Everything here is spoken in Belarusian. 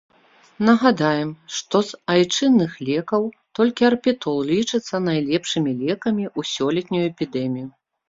Нагадаем, што з айчынных лекаў толькі арпетол лічыцца найлепшымі лекамі ў сёлетнюю эпідэмію.